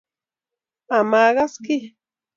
Makas kei.